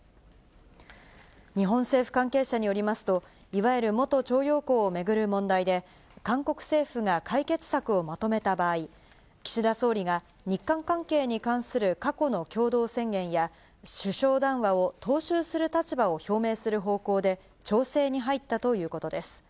日本政府関係者によりますと、いわゆる元徴用工を巡る問題で、韓国政府が解決策をまとめた場合、岸田総理が日韓関係に関する過去の共同宣言や、首相談話を踏襲する立場を表明する方向で調整に入ったということです。